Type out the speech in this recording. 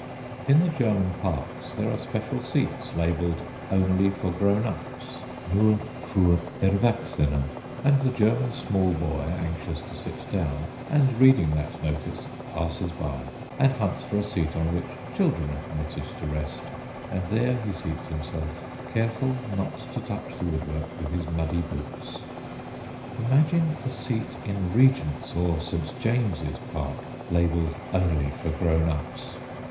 In the German parks there are special seats labelled, "Only for grown ups" (Nur fur Erwachsene), and the German small boy, anxious to sit down, and reading that notice, passes by, and hunts for a seat on which children are permitted to rest; and there he seats himself, careful not to touch the woodwork with his muddy boots. Imagine a seat in Regent's or St. James's Park labelled "Only for grown ups!"